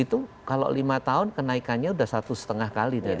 itu kalau lima tahun kenaikannya sudah satu setengah kali dari